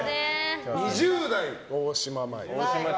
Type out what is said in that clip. ２０代、大島麻衣。